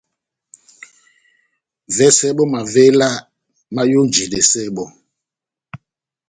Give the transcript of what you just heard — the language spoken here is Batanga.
Vɛsɛ bɔ́ mavéla máyonjidɛsɛ bɔ́.